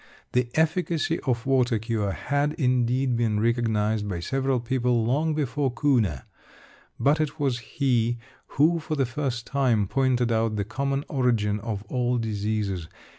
The efficacy of water cure had, indeed, been recognised by several people long before Kuhne, but it was he who, for the first time, pointed out the common origin of all diseases.